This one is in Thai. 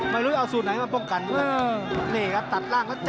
ไม่มีสูตรสำเร็จ